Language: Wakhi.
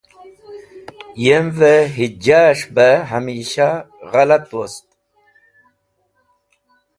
Yemvẽ hijas̃h bẽ hamisha ghẽlat wost.